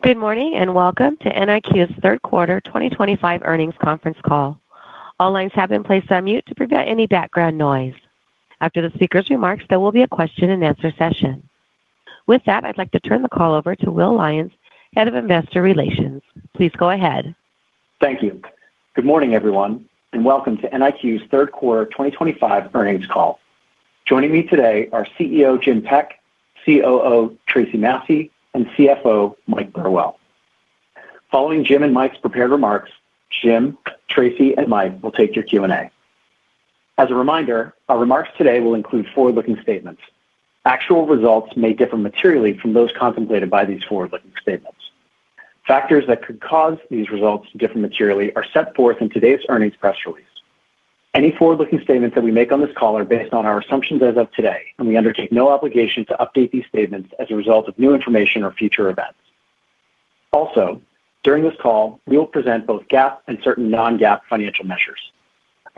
Good morning and welcome to NIQ's Third Quarter 2025 Earnings Conference Call. All lines have been placed on mute to prevent any background noise. After the speaker's remarks, there will be a question-and-answer session. With that, I'd like to turn the call over to Will Lyons, Head of Investor Relations. Please go ahead. Thank you. Good morning, everyone, and welcome to NIQ's Third Quarter 2025 Earnings Call. Joining me today are CEO Jim Peck, COO Tracey Massey, and CFO Mike Burwell. Following Jim and Mike's prepared remarks, Jim, Tracey, and Mike will take your Q&A. As a reminder, our remarks today will include forward-looking statements. Actual results may differ materially from those contemplated by these forward-looking statements. Factors that could cause these results to differ materially are set forth in today's earnings press release. Any forward-looking statements that we make on this call are based on our assumptions as of today, and we undertake no obligation to update these statements as a result of new information or future events. Also, during this call, we will present both GAAP and certain non-GAAP financial measures.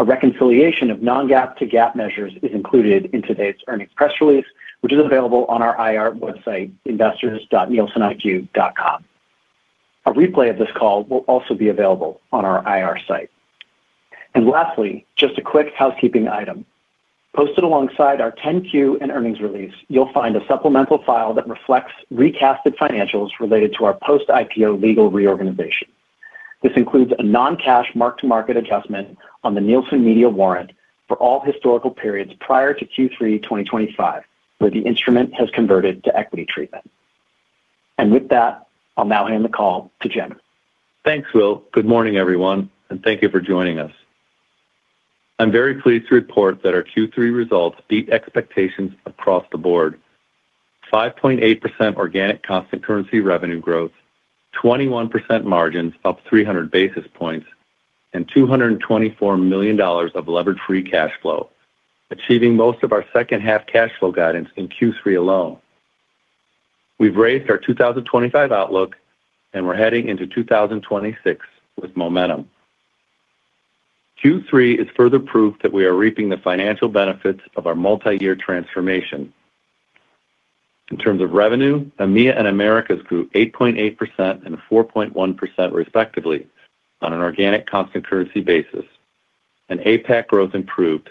A reconciliation of non-GAAP to GAAP measures is included in today's earnings press release, which is available on our IR website, investors.niq.com. A replay of this call will also be available on our IR site. Lastly, just a quick housekeeping item. Posted alongside our 10-Q and Earnings Release, you'll find a supplemental file that reflects recasted financials related to our post-IPO legal reorganization. This includes a non-cash mark-to-market adjustment on the Nielsen Media Warrant for all historical periods prior to Q3 2025, where the instrument has converted to equity treatment. With that, I'll now hand the call to Jim. Thanks, Will. Good morning, everyone, and thank you for joining us. I'm very pleased to report that our Q3 results beat expectations across the board: 5.8% organic constant currency revenue growth, 21% margins up 300 basis points, and $224 million of levered-free cash flow, achieving most of our second-half cash flow guidance in Q3 alone. We've raised our 2025 outlook, and we're heading into 2026 with momentum. Q3 is further proof that we are reaping the financial benefits of our multi-year transformation. In terms of revenue, EMEA and Americas grew 8.8% and 4.1% respectively on an organic constant currency basis, and APAC growth improved.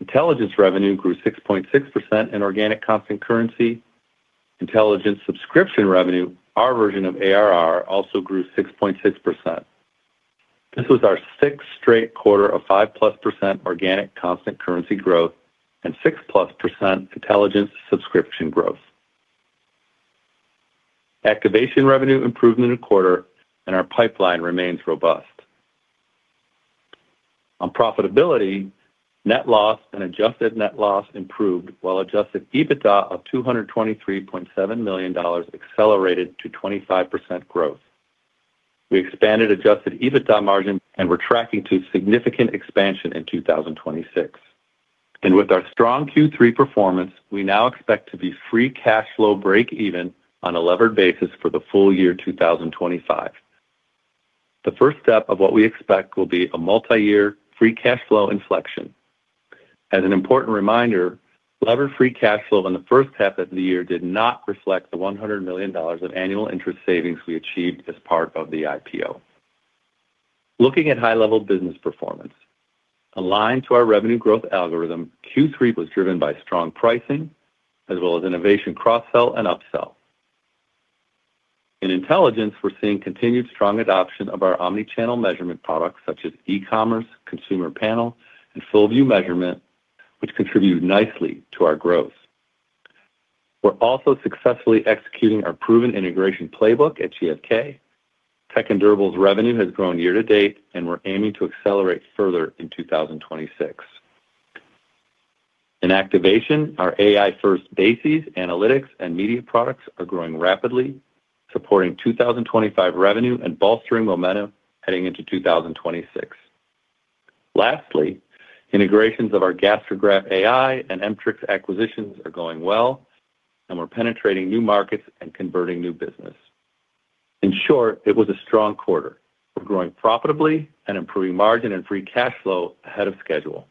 Intelligence revenue grew 6.6% in organic constant currency. Intelligence subscription revenue, our version of ARR, also grew 6.6%. This was our sixth straight quarter of 5-plus % organic constant currency growth and 6-plus % intelligence subscription growth. Activation revenue improved in the quarter, and our pipeline remains robust. On profitability, net loss and adjusted net loss improved, while adjusted EBITDA of $223.7 million accelerated to 25% growth. We expanded adjusted EBITDA margin and we are tracking to significant expansion in 2026. With our strong Q3 performance, we now expect to be free cash flow break-even on a levered basis for the full year 2025. The first step of what we expect will be a multi-year free cash flow inflection. As an important reminder, levered-free cash flow in the first half of the year did not reflect the $100 million of annual interest savings we achieved as part of the IPO. Looking at high-level business performance, aligned to our revenue growth algorithm, Q3 was driven by strong pricing as well as innovation, cross-sell, and up-sell. In intelligence, we're seeing continued strong adoption of our omnichannel measurement products such as e-commerce, consumer panel, and full-view measurement, which contribute nicely to our growth. We're also successfully executing our proven integration playbook at GfK. Tech and Durables revenue has grown year to date, and we're aiming to accelerate further in 2026. In activation, our AI-first BASES, analytics, and media products are growing rapidly, supporting 2025 revenue and bolstering momentum heading into 2026. Lastly, integrations of our GastroGraph AI and Emteryx acquisitions are going well, and we're penetrating new markets and converting new business. In short, it was a strong quarter. We're growing profitably and improving margin and free cash flow ahead of schedule.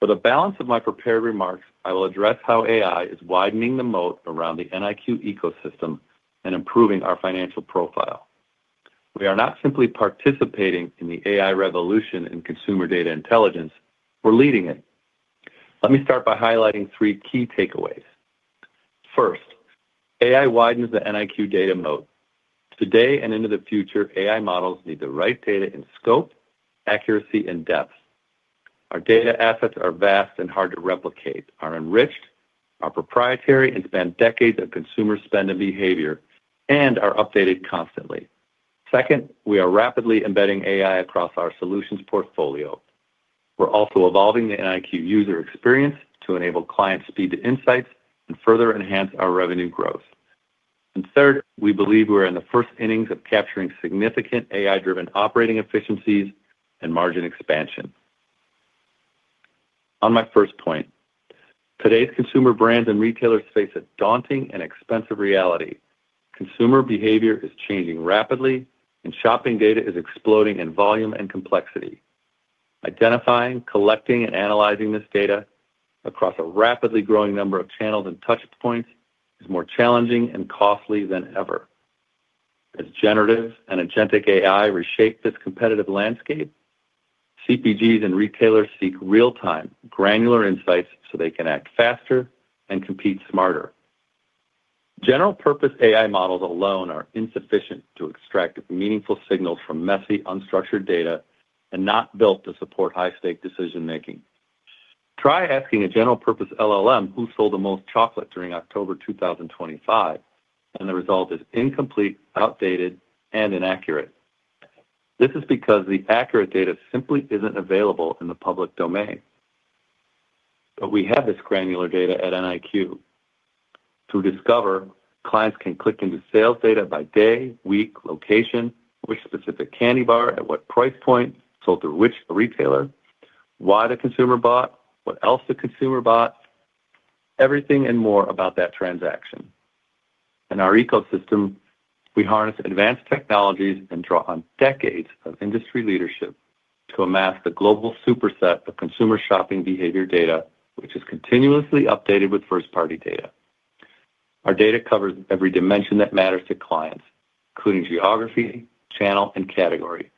For the balance of my prepared remarks, I will address how AI is widening the moat around the NIQ ecosystem and improving our financial profile. We are not simply participating in the AI revolution in consumer data intelligence; we're leading it. Let me start by highlighting three key takeaways. First, AI widens the NIQ data moat. Today and into the future, AI models need the right data in scope, accuracy, and depth. Our data assets are vast and hard to replicate, are enriched, are proprietary, and span decades of consumer spending behavior, and are updated constantly. Second, we are rapidly embedding AI across our solutions portfolio. We're also evolving the NIQ user experience to enable clients' speed to insights and further enhance our revenue growth. Third, we believe we're in the first innings of capturing significant AI-driven operating efficiencies and margin expansion. On my first point, today's consumer brands and retailers face a daunting and expensive reality. Consumer behavior is changing rapidly, and shopping data is exploding in volume and complexity. Identifying, collecting, and analyzing this data across a rapidly growing number of channels and touchpoints is more challenging and costly than ever. As generative and agentic AI reshapes this competitive landscape, CPGs and retailers seek real-time, granular insights so they can act faster and compete smarter. General-purpose AI models alone are insufficient to extract meaningful signals from messy, unstructured data and not built to support high-stake decision-making. Try asking a general-purpose LLM who sold the most chocolate during October 2025, and the result is incomplete, outdated, and inaccurate. This is because the accurate data simply is not available in the public domain. We have this granular data at NIQ. To discover, clients can click into sales data by day, week, location, which specific candy bar, at what price point, sold through which retailer, why the consumer bought, what else the consumer bought, everything and more about that transaction. In our ecosystem, we harness advanced technologies and draw on decades of industry leadership to amass the global superset of consumer shopping behavior data, which is continuously updated with first-party data. Our data covers every dimension that matters to clients, including geography, channel, and category.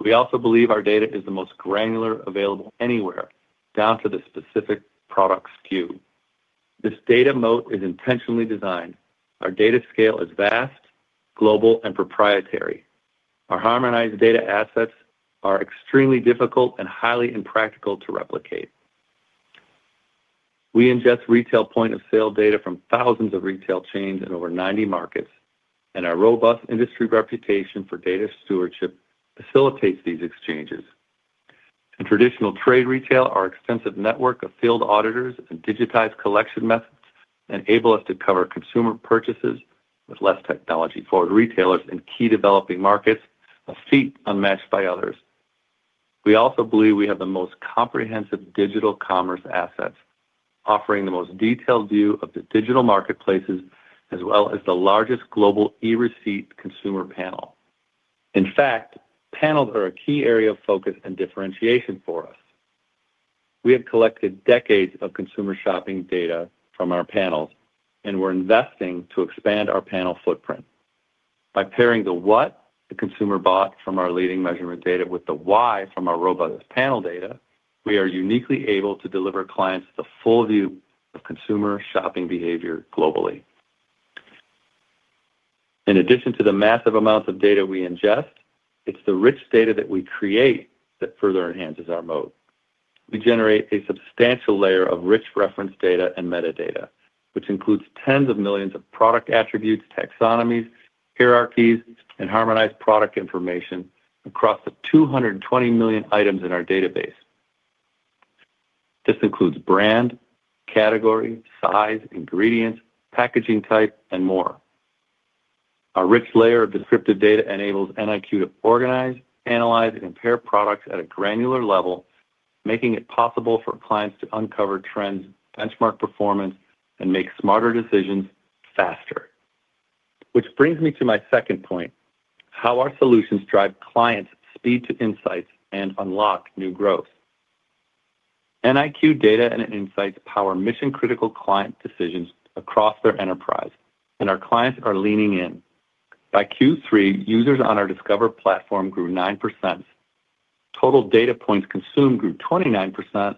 We also believe our data is the most granular available anywhere, down to the specific product SKU. This data moat is intentionally designed. Our data scale is vast, global, and proprietary. Our harmonized data assets are extremely difficult and highly impractical to replicate. We ingest retail point-of-sale data from thousands of retail chains in over 90 markets, and our robust industry reputation for data stewardship facilitates these exchanges. In traditional trade retail, our extensive network of field auditors and digitized collection methods enables us to cover consumer purchases with less technology for retailers in key developing markets, a feat unmatched by others. We also believe we have the most comprehensive digital commerce assets, offering the most detailed view of the digital marketplaces as well as the largest global e-receipt consumer panel. In fact, panels are a key area of focus and differentiation for us. We have collected decades of consumer shopping data from our panels, and we're investing to expand our panel footprint. By pairing the what the consumer bought from our leading measurement data with the why from our robust panel data, we are uniquely able to deliver clients the full view of consumer shopping behavior globally. In addition to the massive amounts of data we ingest, it's the rich data that we create that further enhances our moat. We generate a substantial layer of rich reference data and metadata, which includes tens of millions of product attributes, taxonomies, hierarchies, and harmonized product information across the 220 million items in our database. This includes brand, category, size, ingredients, packaging type, and more. Our rich layer of descriptive data enables NIQ to organize, analyze, and compare products at a granular level, making it possible for clients to uncover trends, benchmark performance, and make smarter decisions faster. Which brings me to my second point: how our solutions drive clients' speed to insights and unlock new growth. NIQ data and insights power mission-critical client decisions across their enterprise, and our clients are leaning in. By Q3, users on our Discover platform grew 9%. Total data points consumed grew 29%,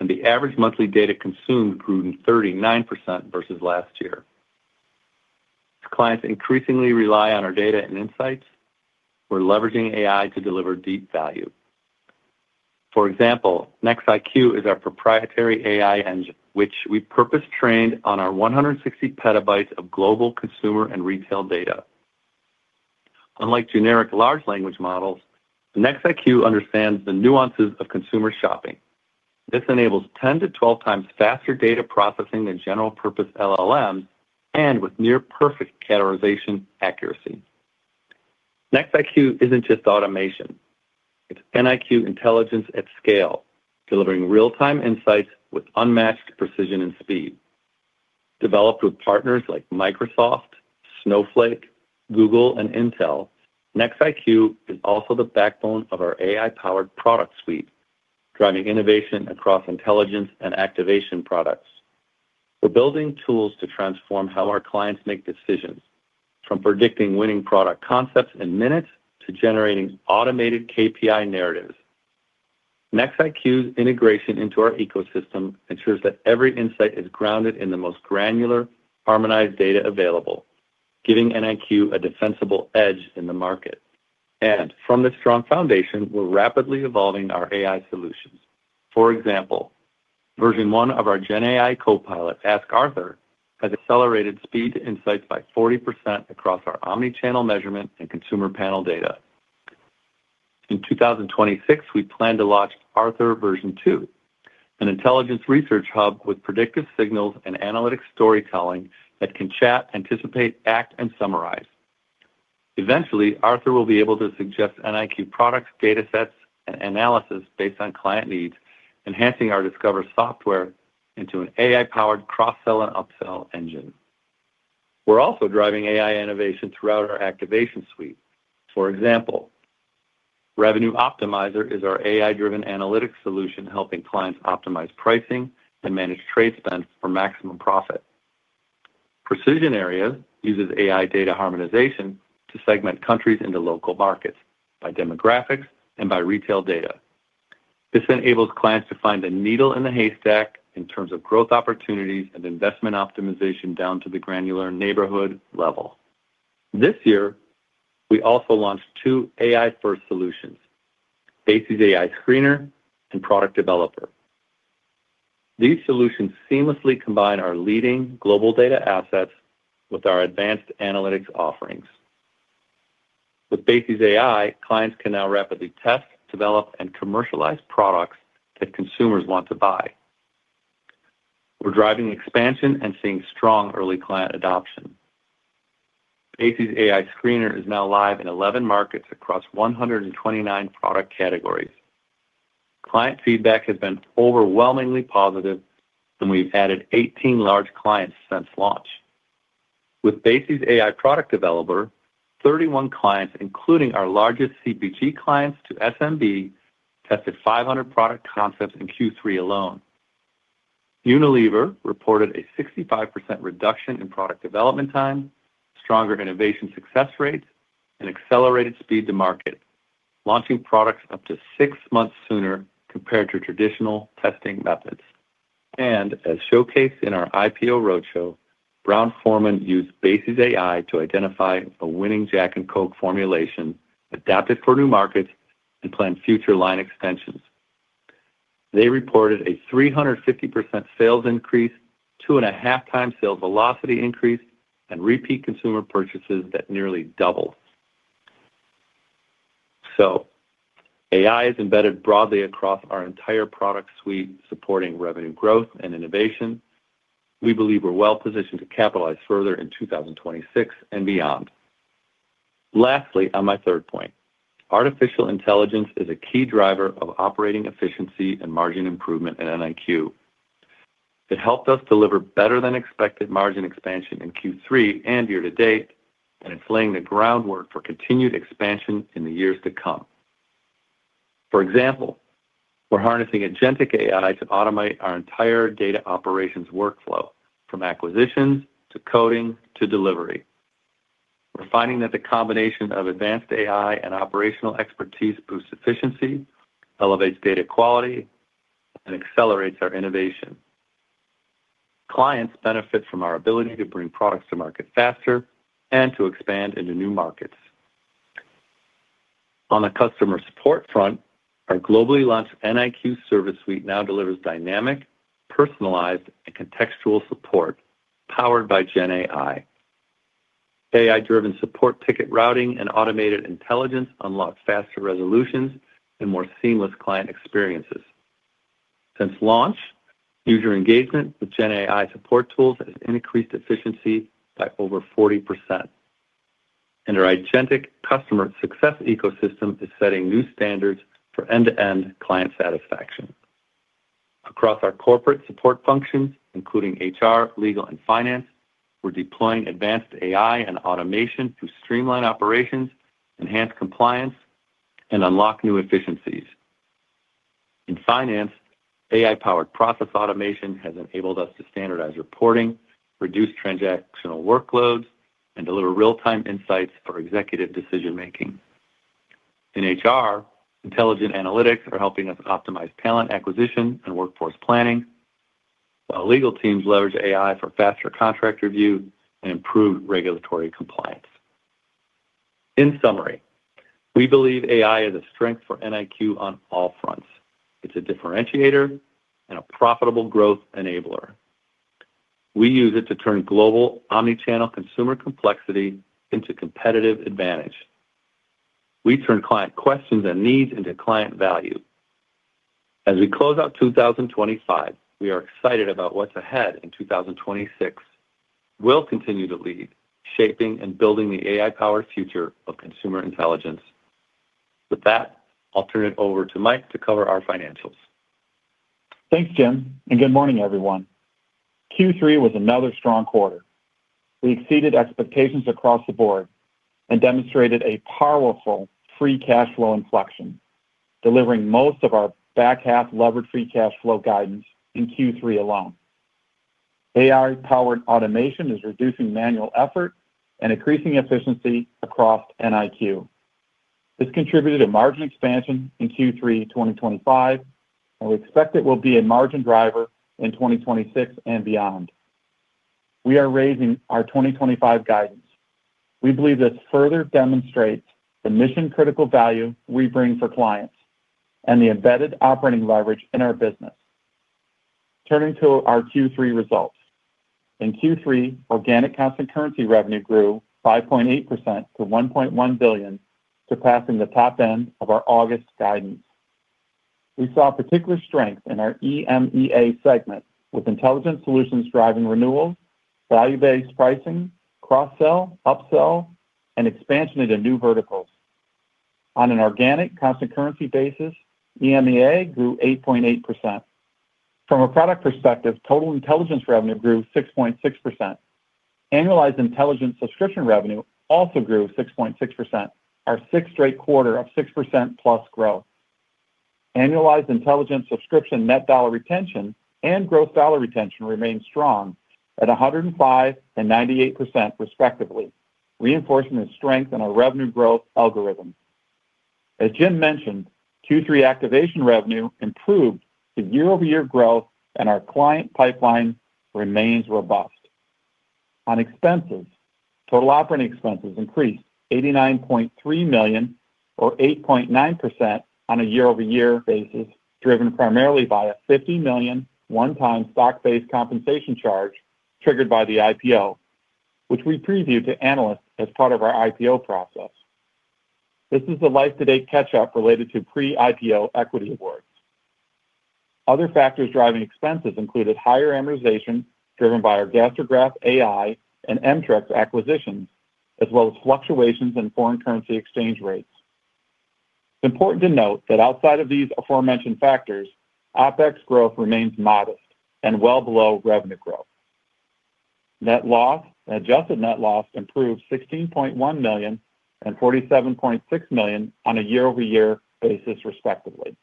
and the average monthly data consumed grew 39% versus last year. As clients increasingly rely on our data and insights, we're leveraging AI to deliver deep value. For example, NextIQ is our proprietary AI engine, which we purpose-trained on our 160 petabytes of global consumer and retail data. Unlike generic large language models, NextIQ understands the nuances of consumer shopping. This enables 10-12 times faster data processing than general-purpose LLMs and with near-perfect categorization accuracy. NextIQ isn't just automation; it's NIQ intelligence at scale, delivering real-time insights with unmatched precision and speed. Developed with partners like Microsoft, Snowflake, Google, and Intel, NextIQ is also the backbone of our AI-powered product suite, driving innovation across intelligence and activation products. We're building tools to transform how our clients make decisions, from predicting winning product concepts in minutes to generating automated KPI narratives. NextIQ's integration into our ecosystem ensures that every insight is grounded in the most granular, harmonized data available, giving NIQ a defensible edge in the market. From this strong foundation, we're rapidly evolving our AI solutions. For example, version one of our GenAI Copilot, Ask Arthur, has accelerated speed to insights by 40% across our omnichannel measurement and consumer panel data. In 2026, we plan to launch Arthur version two, an intelligence research hub with predictive signals and analytic storytelling that can chat, anticipate, act, and summarize. Eventually, Arthur will be able to suggest NIQ products, data sets, and analysis based on client needs, enhancing our Discover software into an AI-powered cross-sell and up-sell engine. We're also driving AI innovation throughout our activation suite. For example, Revenue Optimizer is our AI-driven analytics solution, helping clients optimize pricing and manage trade spend for maximum profit. PrecisionArea uses AI data harmonization to segment countries into local markets by demographics and by retail data. This enables clients to find the needle in the haystack in terms of growth opportunities and investment optimization down to the granular neighborhood level. This year, we also launched two AI-first solutions: Basies AI Screener and Product Developer. These solutions seamlessly combine our leading global data assets with our advanced analytics offerings. With Basies AI, clients can now rapidly test, develop, and commercialize products that consumers want to buy. We're driving expansion and seeing strong early client adoption. Basies AI Screener is now live in 11 markets across 129 product categories. Client feedback has been overwhelmingly positive, and we've added 18 large clients since launch. With Basies AI Product Developer, 31 clients, including our largest CPG clients to SMB, tested 500 product concepts in Q3 alone. Unilever reported a 65% reduction in product development time, stronger innovation success rates, and accelerated speed to market, launching products up to six months sooner compared to traditional testing methods. As showcased in our IPO roadshow, Brown-Forman used Basies AI to identify a winning Jack and Coke formulation adapted for new markets and plan future line extensions. They reported a 350% sales increase, two and a half times sales velocity increase, and repeat consumer purchases that nearly doubled. AI is embedded broadly across our entire product suite, supporting revenue growth and innovation. We believe we're well positioned to capitalize further in 2026 and beyond. Lastly, on my third point, artificial intelligence is a key driver of operating efficiency and margin improvement at NIQ. It helped us deliver better-than-expected margin expansion in Q3 and year to date, and it's laying the groundwork for continued expansion in the years to come. For example, we're harnessing agentic AI to automate our entire data operations workflow, from acquisitions to coding to delivery. We're finding that the combination of advanced AI and operational expertise boosts efficiency, elevates data quality, and accelerates our innovation. Clients benefit from our ability to bring products to market faster and to expand into new markets. On the customer support front, our globally launched NIQ service suite now delivers dynamic, personalized, and contextual support powered by GenAI. AI-driven support ticket routing and automated intelligence unlock faster resolutions and more seamless client experiences. Since launch, user engagement with GenAI support tools has increased efficiency by over 40%. Our agentic customer success ecosystem is setting new standards for end-to-end client satisfaction. Across our corporate support functions, including HR, legal, and finance, we're deploying advanced AI and automation to streamline operations, enhance compliance, and unlock new efficiencies. In finance, AI-powered process automation has enabled us to standardize reporting, reduce transactional workloads, and deliver real-time insights for executive decision-making. In HR, intelligent analytics are helping us optimize talent acquisition and workforce planning, while legal teams leverage AI for faster contract review and improved regulatory compliance. In summary, we believe AI is a strength for NIQ on all fronts. It's a differentiator and a profitable growth enabler. We use it to turn global omnichannel consumer complexity into competitive advantage. We turn client questions and needs into client value. As we close out 2025, we are excited about what's ahead in 2026. We'll continue to lead, shaping, and building the AI-powered future of consumer intelligence. With that, I'll turn it over to Mike to cover our financials. Thanks, Jim. And good morning, everyone. Q3 was another strong quarter. We exceeded expectations across the board and demonstrated a powerful free cash flow inflection, delivering most of our back half levered-free cash flow guidance in Q3 alone. AI-powered automation is reducing manual effort and increasing efficiency across NIQ. This contributed to margin expansion in Q3 2025, and we expect it will be a margin driver in 2026 and beyond. We are raising our 2025 guidance. We believe this further demonstrates the mission-critical value we bring for clients and the embedded operating leverage in our business. Turning to our Q3 results, in Q3, organic constant currency revenue grew 5.8% to $1.1 billion, surpassing the top end of our August guidance. We saw particular strength in our EMEA segment, with intelligent solutions driving renewals, value-based pricing, cross-sell, up-sell, and expansion into new verticals. On an organic constant currency basis, EMEA grew 8.8%. From a product perspective, total intelligence revenue grew 6.6%. Annualized intelligence subscription revenue also grew 6.6%, our sixth straight quarter of 6% plus growth. Annualized intelligence subscription net dollar retention and gross dollar retention remained strong at 105% and 98%, respectively, reinforcing the strength in our revenue growth algorithm. As Jim mentioned, Q3 activation revenue improved to year-over-year growth, and our client pipeline remains robust. On expenses, total operating expenses increased $89.3 million, or 8.9% on a year-over-year basis, driven primarily by a $50 million one-time stock-based compensation charge triggered by the IPO, which we previewed to analysts as part of our IPO process. This is a life-to-date catch-up related to pre-IPO equity awards. Other factors driving expenses included higher amortization driven by our GastroGraph AI and GfK's acquisitions, as well as fluctuations in foreign currency exchange rates. It's important to note that outside of these aforementioned factors, OpEx growth remains modest and well below revenue growth. Net loss and adjusted net loss improved $16.1 million and $47.6 million on a year-over-year basis, respectively.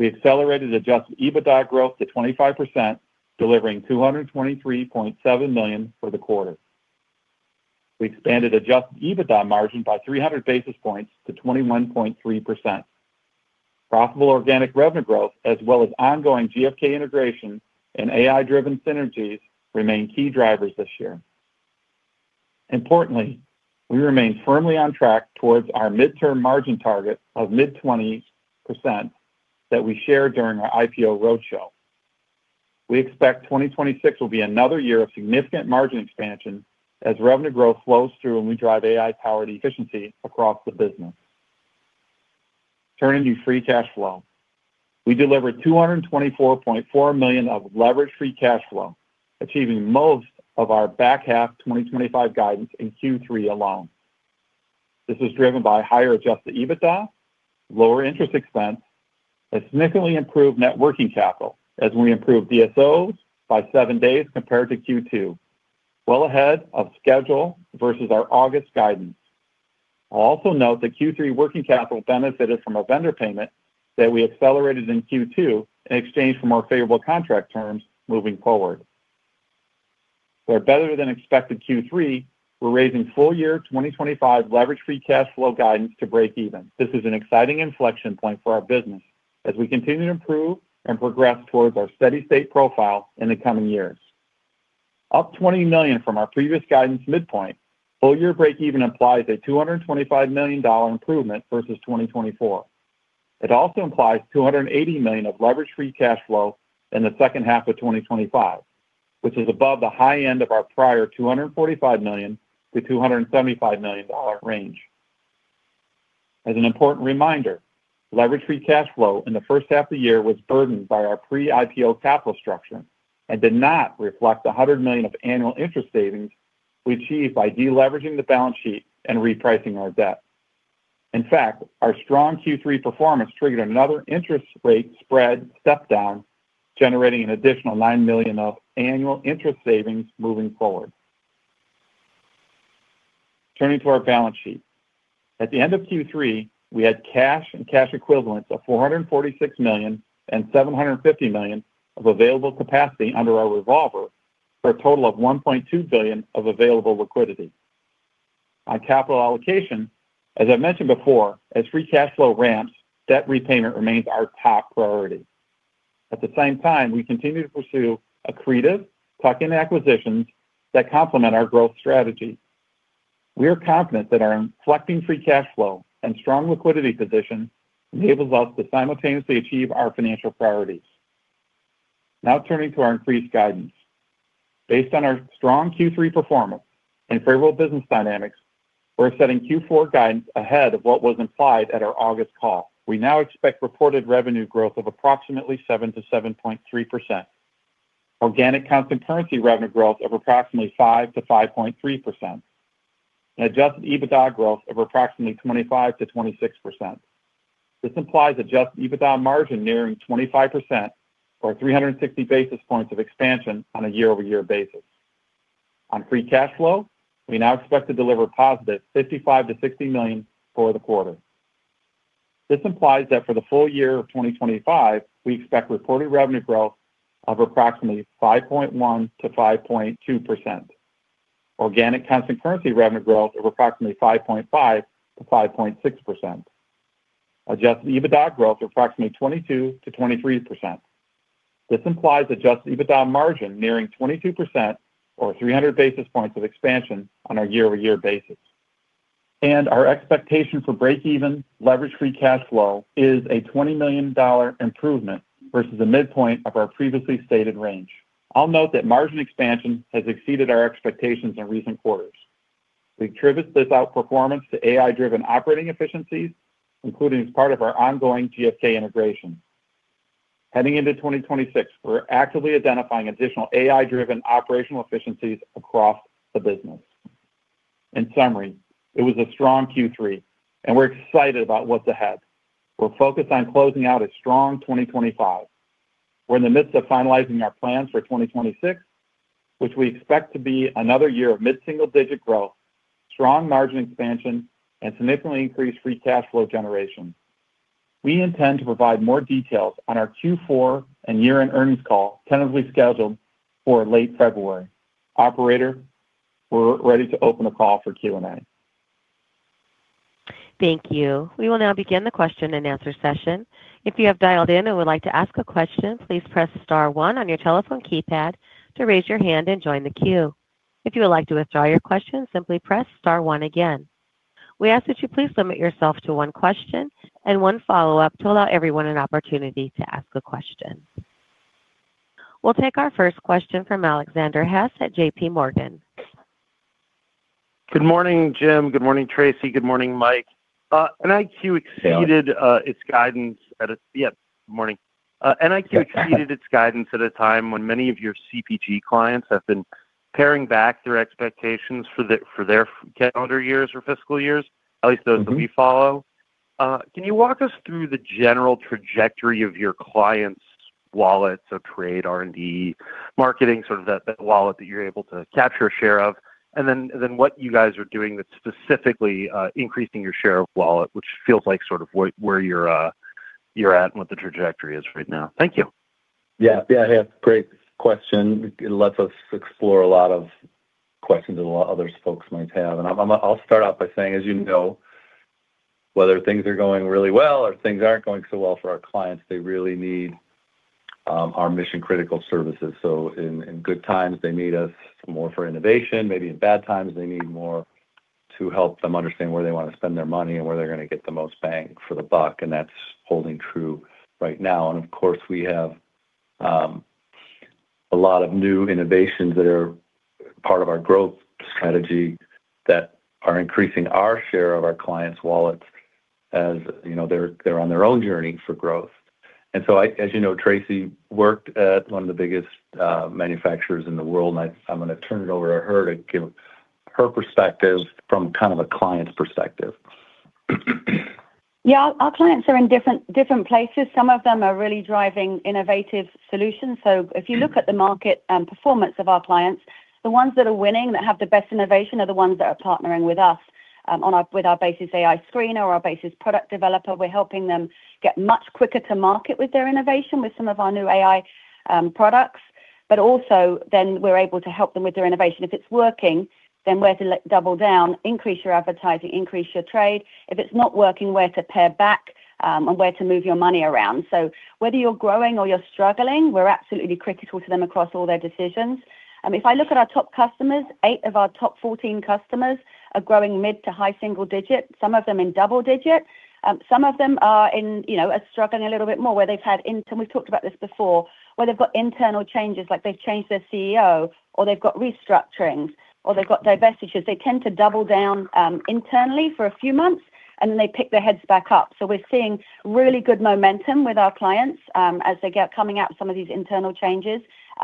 We accelerated adjusted EBITDA growth to 25%, delivering $223.7 million for the quarter. We expanded adjusted EBITDA margin by 300 basis points to 21.3%. Profitable organic revenue growth, as well as ongoing GfK integration and AI-driven synergies, remain key drivers this year. Importantly, we remain firmly on track towards our midterm margin target of mid-20% that we shared during our IPO roadshow. We expect 2026 will be another year of significant margin expansion as revenue growth flows through and we drive AI-powered efficiency across the business. Turning to free cash flow, we delivered $224.4 million of levered-free cash flow, achieving most of our back half 2025 guidance in Q3 alone. This is driven by higher adjusted EBITDA, lower interest expense, and significantly improved net working capital as we improved DSOs by seven days compared to Q2, well ahead of schedule versus our August guidance. I'll also note that Q3 working capital benefited from a vendor payment that we accelerated in Q2 in exchange for more favorable contract terms moving forward. Better than expected Q3, we're raising full-year 2025 levered-free cash flow guidance to break even. This is an exciting inflection point for our business as we continue to improve and progress towards our steady-state profile in the coming years. Up $20 million from our previous guidance midpoint, full-year break-even implies a $225 million improvement versus 2024. It also implies $280 million of levered-free cash flow in the second half of 2025, which is above the high end of our prior $245 million-$275 million range. As an important reminder, levered-free cash flow in the first half of the year was burdened by our pre-IPO capital structure and did not reflect the $100 million of annual interest savings we achieved by deleveraging the balance sheet and repricing our debt. In fact, our strong Q3 performance triggered another interest rate spread step-down, generating an additional $9 million of annual interest savings moving forward. Turning to our balance sheet, at the end of Q3, we had cash and cash equivalents of $446 million and $750 million of available capacity under our revolver for a total of $1.2 billion of available liquidity. On capital allocation, as I've mentioned before, as free cash flow ramps, debt repayment remains our top priority. At the same time, we continue to pursue accretive, tuck-in acquisitions that complement our growth strategy. We are confident that our inflecting free cash flow and strong liquidity position enables us to simultaneously achieve our financial priorities. Now turning to our increased guidance. Based on our strong Q3 performance and favorable business dynamics, we're setting Q4 guidance ahead of what was implied at our August call. We now expect reported revenue growth of approximately 7-7.3%, organic constant currency revenue growth of approximately 5-5.3%, and adjusted EBITDA growth of approximately 25-26%. This implies adjusted EBITDA margin nearing 25%, or 360 basis points of expansion on a year-over-year basis. On free cash flow, we now expect to deliver positive $55-60 million for the quarter. This implies that for the full year of 2025, we expect reported revenue growth of approximately 5.1-5.2%, organic constant currency revenue growth of approximately 5.5-5.6%, adjusted EBITDA growth of approximately 22-23%. This implies adjusted EBITDA margin nearing 22%, or 300 basis points of expansion on a year-over-year basis. Our expectation for break-even levered-free cash flow is a $20 million improvement versus the midpoint of our previously stated range. I'll note that margin expansion has exceeded our expectations in recent quarters. We attribute this outperformance to AI-driven operating efficiencies, including as part of our ongoing GfK integration. Heading into 2026, we're actively identifying additional AI-driven operational efficiencies across the business. In summary, it was a strong Q3, and we're excited about what's ahead. We're focused on closing out a strong 2025. We're in the midst of finalizing our plans for 2026, which we expect to be another year of mid-single-digit growth, strong margin expansion, and significantly increased free cash flow generation. We intend to provide more details on our Q4 and year-end earnings call tentatively scheduled for late February. Operator, we're ready to open the call for Q&A. Thank you. We will now begin the question and answer session. If you have dialed in and would like to ask a question, please press star one on your telephone keypad to raise your hand and join the queue. If you would like to withdraw your question, simply press star one again. We ask that you please limit yourself to one question and one follow-up to allow everyone an opportunity to ask a question. We'll take our first question from Alexander Hess at JPMorgan. Good morning, Jim. Good morning, Tracey. Good morning, Mike. NIQ exceeded its guidance at a—yeah, good morning. NIQ exceeded its guidance at a time when many of your CPG clients have been paring back their expectations for their calendar years or fiscal years, at least those that we follow. Can you walk us through the general trajectory of your clients' wallets of trade, R&D, marketing, sort of that wallet that you're able to capture a share of, and then what you guys are doing that's specifically increasing your share of wallet, which feels like sort of where you're at and what the trajectory is right now? Thank you. Yeah, yeah, great question. It lets us explore a lot of questions that a lot of other folks might have. I'll start out by saying, as you know, whether things are going really well or things aren't going so well for our clients, they really need our mission-critical services. In good times, they need us more for innovation. Maybe in bad times, they need more to help them understand where they want to spend their money and where they're going to get the most bang for the buck. That's holding true right now. Of course, we have a lot of new innovations that are part of our growth strategy that are increasing our share of our clients' wallets as they're on their own journey for growth. As you know, Tracey worked at one of the biggest manufacturers in the world, and I'm going to turn it over to her to give her perspective from kind of a client's perspective. Yeah, our clients are in different places. Some of them are really driving innovative solutions. If you look at the market and performance of our clients, the ones that are winning, that have the best innovation, are the ones that are partnering with us with our BASES AI Screener or our BASES AI Product Developer. We're helping them get much quicker to market with their innovation with some of our new AI products. Also, we're able to help them with their innovation. If it's working, then we're to double down, increase your advertising, increase your trade. If it's not working, we're to pare back and we're to move your money around. Whether you're growing or you're struggling, we're absolutely critical to them across all their decisions. If I look at our top customers, eight of our top 14 customers are growing mid to high single digit, some of them in double digit. Some of them are struggling a little bit more where they've had, and we've talked about this before, where they've got internal changes, like they've changed their CEO, or they've got restructurings, or they've got divestitures. They tend to double down internally for a few months, and then they pick their heads back up. We are seeing really good momentum with our clients as they get coming out of some of these internal changes.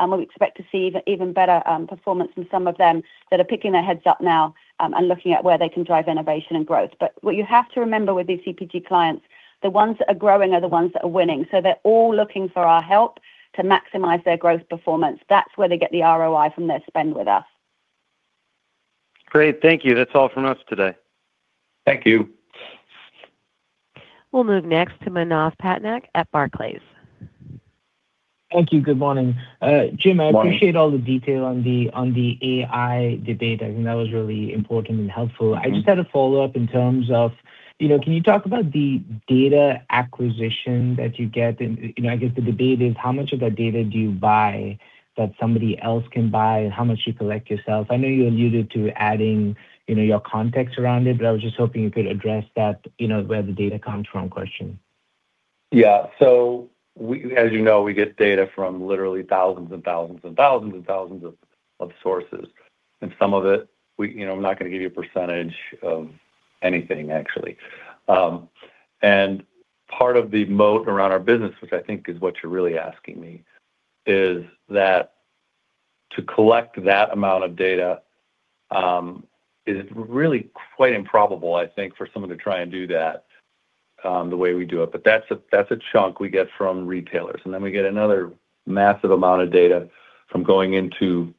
We expect to see even better performance from some of them that are picking their heads up now and looking at where they can drive innovation and growth. What you have to remember with these CPG clients, the ones that are growing are the ones that are winning. So they're all looking for our help to maximize their growth performance. That's where they get the ROI from their spend with us. Great. Thank you. That's all from us today. Thank you. We'll move next to Manav Patnaik at Barclays. Thank you. Good morning. Jim, I appreciate all the detail on the AI debate. I think that was really important and helpful. I just had a follow-up in terms of, can you talk about the data acquisition that you get? I guess the debate is how much of that data do you buy that somebody else can buy and how much you collect yourself? I know you alluded to adding your context around it, but I was just hoping you could address that where the data comes from question. Yeah. As you know, we get data from literally thousands and thousands and thousands and thousands of sources. Some of it, I'm not going to give you a percentage of anything, actually. Part of the moat around our business, which I think is what you're really asking me, is that to collect that amount of data is really quite improbable, I think, for someone to try and do that the way we do it. That's a chunk we get from retailers. Then we get another massive amount of data from going into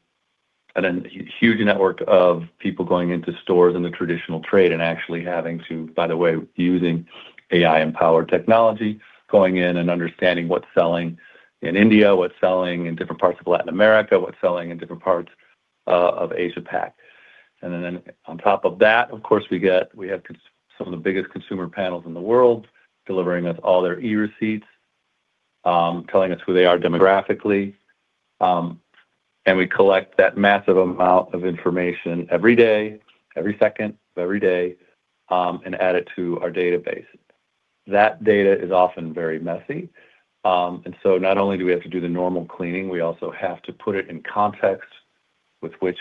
a huge network of people going into stores in the traditional trade and actually having to, by the way, using AI-empowered technology, go in and understand what's selling in India, what's selling in different parts of Latin America, what's selling in different parts of Asia-Pac. Of course, we have some of the biggest consumer panels in the world delivering us all their e-receipts, telling us who they are demographically. We collect that massive amount of information every day, every second, every day, and add it to our database. That data is often very messy. Not only do we have to do the normal cleaning, we also have to put it in context with which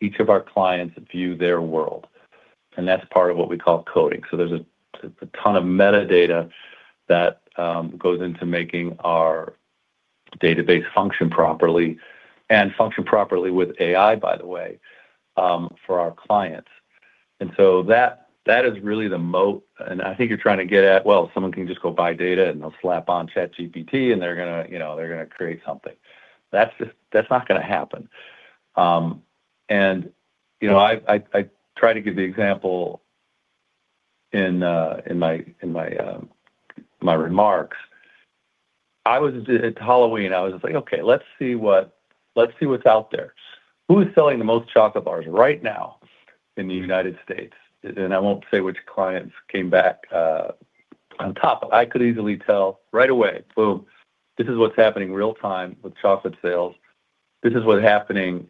each of our clients view their world. That is part of what we call coding. There is a ton of metadata that goes into making our database function properly and function properly with AI, by the way, for our clients. That is really the moat. I think you're trying to get at, well, someone can just go buy data and they'll slap on ChatGPT and they're going to create something. That's not going to happen. I try to give the example in my remarks. It's Halloween. I was like, "Okay, let's see what's out there. Who's selling the most chocolate bars right now in the United States?" I won't say which clients came back on top of it. I could easily tell right away, boom, this is what's happening real-time with chocolate sales. This is what's happening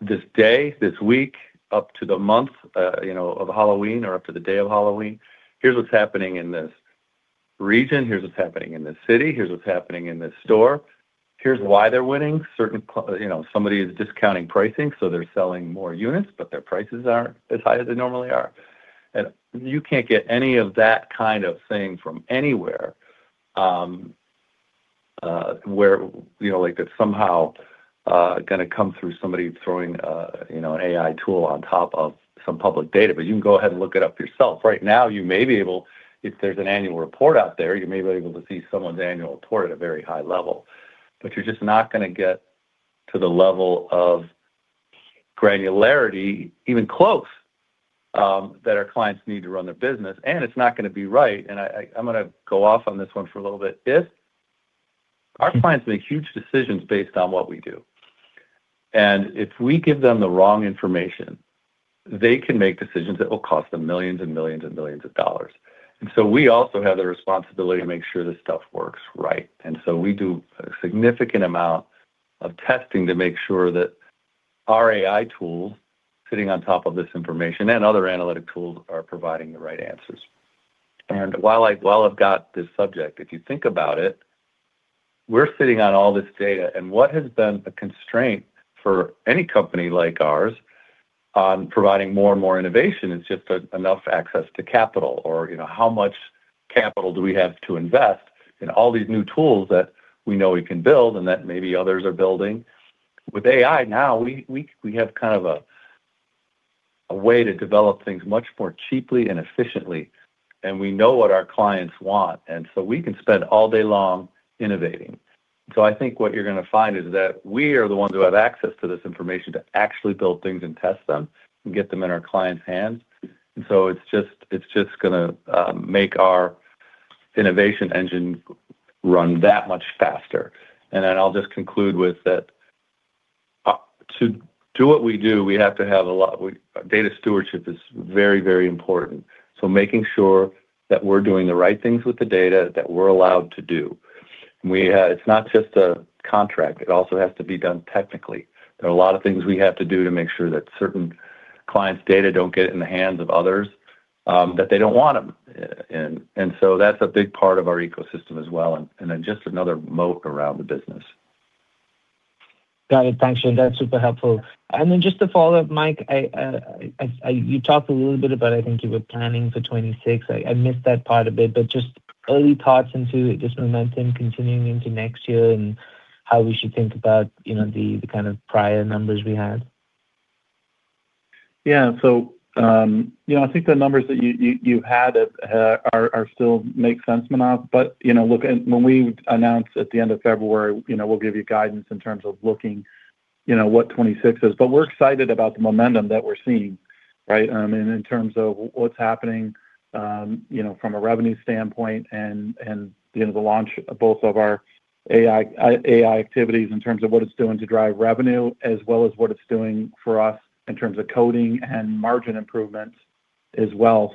this day, this week, up to the month of Halloween or up to the day of Halloween. Here's what's happening in this region. Here's what's happening in this city. Here's what's happening in this store. Here's why they're winning. Somebody is discounting pricing, so they're selling more units, but their prices aren't as high as they normally are. You can't get any of that kind of thing from anywhere where it's somehow going to come through somebody throwing an AI tool on top of some public data. You can go ahead and look it up yourself. Right now, you may be able—if there's an annual report out there, you may be able to see someone's annual report at a very high level. You're just not going to get to the level of granularity, even close, that our clients need to run their business. It's not going to be right. I'm going to go off on this one for a little bit. Our clients make huge decisions based on what we do. If we give them the wrong information, they can make decisions that will cost them millions and millions and millions of dollars. We also have the responsibility to make sure this stuff works right. We do a significant amount of testing to make sure that our AI tools sitting on top of this information and other analytic tools are providing the right answers. While I've got this subject, if you think about it, we're sitting on all this data. What has been a constraint for any company like ours on providing more and more innovation is just enough access to capital or how much capital do we have to invest in all these new tools that we know we can build and that maybe others are building. With AI now, we have kind of a way to develop things much more cheaply and efficiently. We know what our clients want. We can spend all day long innovating. I think what you're going to find is that we are the ones who have access to this information to actually build things and test them and get them in our clients' hands. It is just going to make our innovation engine run that much faster. I'll just conclude with that to do what we do, we have to have a lot—data stewardship is very, very important. Making sure that we're doing the right things with the data that we're allowed to do. It's not just a contract. It also has to be done technically. There are a lot of things we have to do to make sure that certain clients' data do not get in the hands of others that they do not want them. That is a big part of our ecosystem as well. Just another moat around the business. Got it. Thanks. That is super helpful. Just to follow up, Mike, you talked a little bit about, I think you were planning for 2026. I missed that part a bit, but just early thoughts into this momentum continuing into next year and how we should think about the kind of prior numbers we had. Yeah. I think the numbers that you had still make sense, Manav. When we announce at the end of February, we will give you guidance in terms of looking what 2026 is. We're excited about the momentum that we're seeing, right, in terms of what's happening from a revenue standpoint and the launch of both of our AI activities in terms of what it's doing to drive revenue, as well as what it's doing for us in terms of coding and margin improvements as well.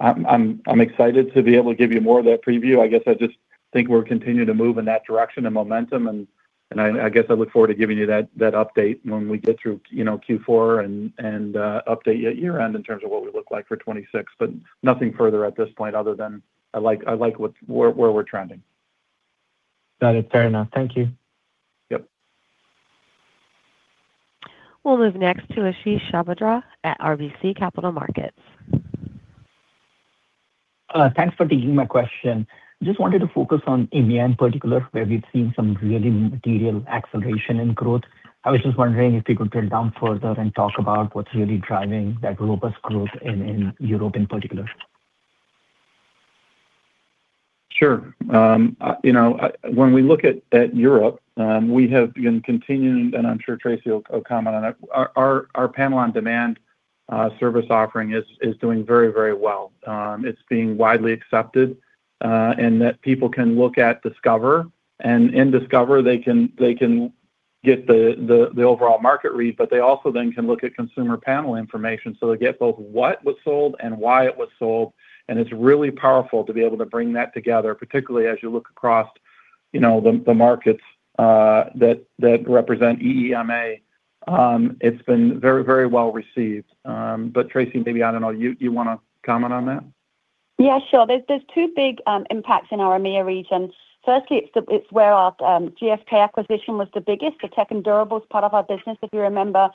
I'm excited to be able to give you more of that preview. I guess I just think we're continuing to move in that direction and momentum. I look forward to giving you that update when we get through Q4 and update your year-end in terms of what we look like for 2026. Nothing further at this point other than I like where we're trending. Got it. Fair enough. Thank you. Yep. We'll move next to Ashish Sabadra at RBC Capital Markets. Thanks for taking my question. I just wanted to focus on India in particular, where we've seen some really material acceleration in growth. I was just wondering if you could drill down further and talk about what's really driving that robust growth in Europe in particular. Sure. When we look at Europe, we have been continuing, and I'm sure Tracey will comment on it. Our panel on demand service offering is doing very, very well. It's being widely accepted and that people can look at Discover. In Discover, they can get the overall market read, but they also then can look at consumer panel information. They get both what was sold and why it was sold. It's really powerful to be able to bring that together, particularly as you look across the markets that represent EMEA. It's been very, very well received. Tracey, maybe I don't know. You want to comment on that? Yeah, sure. There are two big impacts in our EMEA region. Firstly, it is where our GfK acquisition was the biggest. The tech and durables part of our business, if you remember,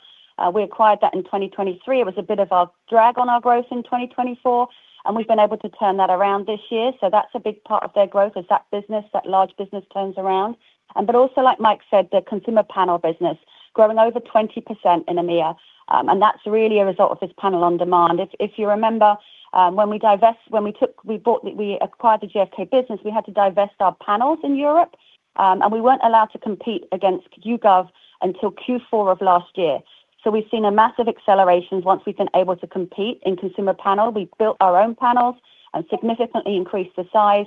we acquired that in 2023. It was a bit of a drag on our growth in 2024. We have been able to turn that around this year. That is a big part of their growth as that business, that large business, turns around. Also, like Mike said, the consumer panel business is growing over 20% in EMEA. That is really a result of this panel on demand. If you remember, when we bought the GfK business, we had to divest our panels in Europe. We were not allowed to compete against YouGov until Q4 of last year. We have seen a massive acceleration once we have been able to compete in consumer panel. We've built our own panels and significantly increased the size.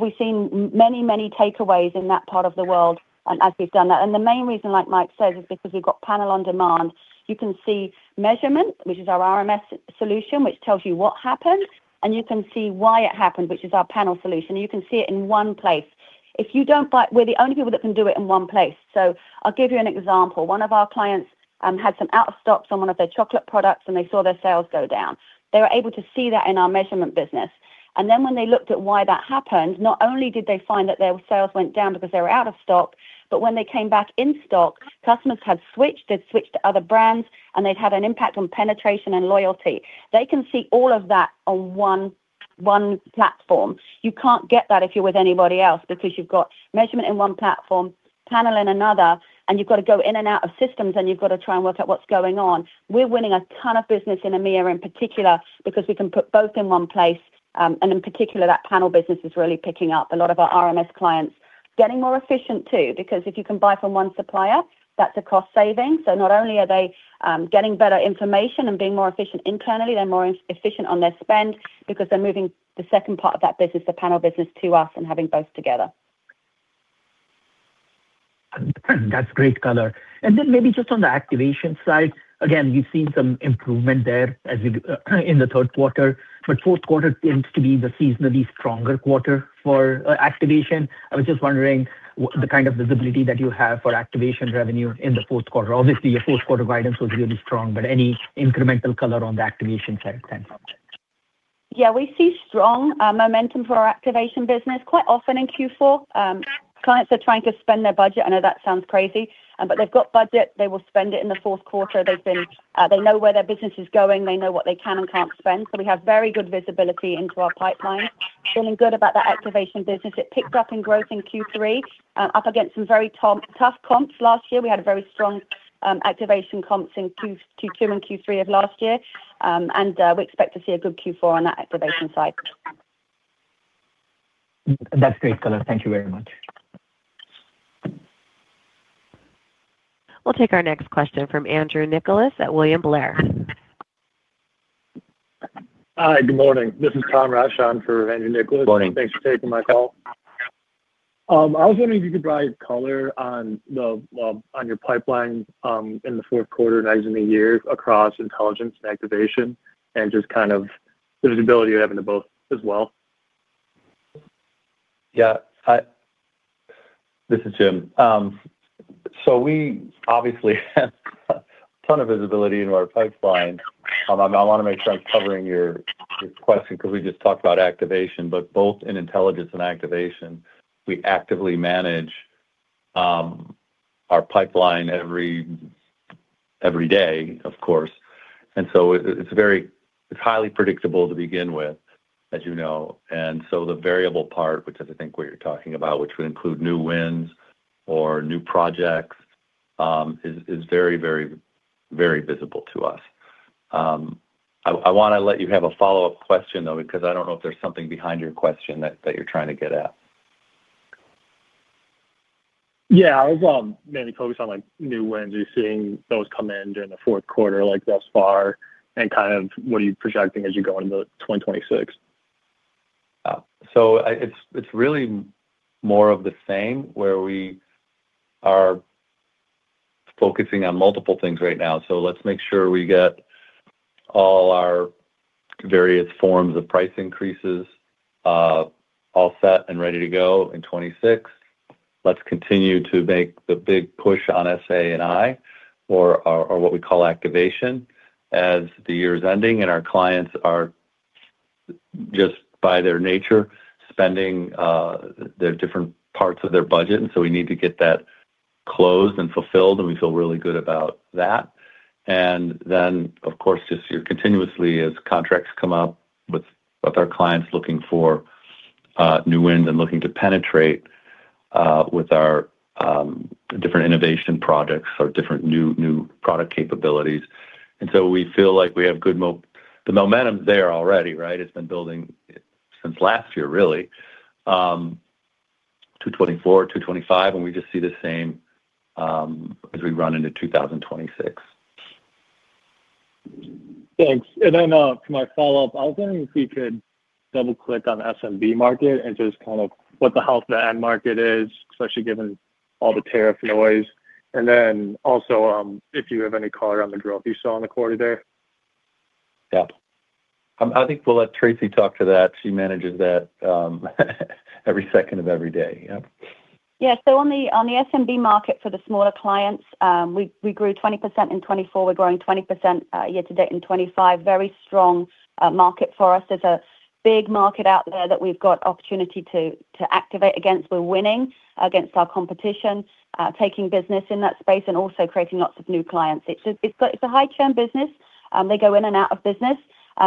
We've seen many, many takeaways in that part of the world as we've done that. The main reason, like Mike says, is because we've got panel on demand. You can see measurement, which is our RMS solution, which tells you what happened. You can see why it happened, which is our panel solution. You can see it in one place. We're the only people that can do it in one place. I'll give you an example. One of our clients had some out-of-stock on one of their chocolate products, and they saw their sales go down. They were able to see that in our measurement business. When they looked at why that happened, not only did they find that their sales went down because they were out of stock, but when they came back in stock, customers had switched, they'd switched to other brands, and they'd had an impact on penetration and loyalty. They can see all of that on one platform. You can't get that if you're with anybody else because you've got measurement in one platform, panel in another, and you've got to go in and out of systems, and you've got to try and work out what's going on. We're winning a ton of business in EMEA in particular because we can put both in one place. In particular, that panel business is really picking up. A lot of our RMS clients are getting more efficient too because if you can buy from one supplier, that's a cost saving. Not only are they getting better information and being more efficient internally, they're more efficient on their spend because they're moving the second part of that business, the panel business, to us and having both together. That's great, Color. Maybe just on the activation side, again, we've seen some improvement there in the third quarter. Fourth quarter tends to be the seasonally stronger quarter for activation. I was just wondering the kind of visibility that you have for activation revenue in the fourth quarter. Obviously, your fourth quarter guidance was really strong, but any incremental color on the activation side? Thanks. Yeah. We see strong momentum for our activation business quite often in Q4. Clients are trying to spend their budget. I know that sounds crazy, but they've got budget. They will spend it in the fourth quarter. They know where their business is going. They know what they can and can't spend. We have very good visibility into our pipeline. Feeling good about that activation business. It picked up in growth in Q3, up against some very tough comps last year. We had very strong activation comps in Q2 and Q3 of last year. We expect to see a good Q4 on that activation side. That's great, color. Thank you very much. We'll take our next question from Andrew Nicholas at William Blair. Hi. Good morning. This is Tom Rashawn for Andrew Nicholas. Thanks for taking my call. I was wondering if you could provide color on your pipeline in the fourth quarter and eyes in the year across intelligence and activation and just kind of the visibility you're having to both as well. Yeah. This is Jim. We obviously have a ton of visibility in our pipeline. I want to make sure I'm covering your question because we just talked about activation. Both in intelligence and activation, we actively manage our pipeline every day, of course. It is highly predictable to begin with, as you know. The variable part, which is, I think, what you're talking about, which would include new wins or new projects, is very, very, very visible to us. I want to let you have a follow-up question, though, because I don't know if there's something behind your question that you're trying to get at. Yeah. I was mainly focused on new wins, you're seeing those come in during the fourth quarter thus far and kind of what are you projecting as you go into 2026? It is really more of the same where we are focusing on multiple things right now. Let's make sure we get all our various forms of price increases all set and ready to go in 2026. Let's continue to make the big push on SA&I or what we call activation as the year is ending. Our clients are just by their nature spending different parts of their budget, and we need to get that closed and fulfilled. We feel really good about that. Of course, just continuously as contracts come up with our clients, looking for new wins and looking to penetrate with our different innovation projects or different new product capabilities. We feel like we have good momentum there already, right? It's been building since last year, really, to 2024, to 2025. We just see the same as we run into 2026. Thanks. For my follow-up, I was wondering if we could double-click on the SMB market and just kind of what the health of the end market is, especially given all the tariff noise. If you have any color on the growth you saw in the quarter there. Yeah. I think we'll let Tracey talk to that. She manages that every second of every day. Yeah. Yeah. On the SMB market for the smaller clients, we grew 20% in 2024. We're growing 20% year-to-date in 2025. Very strong market for us. There's a big market out there that we've got opportunity to activate against. We're winning against our competition, taking business in that space, and also creating lots of new clients. It's a high-churn business. They go in and out of business.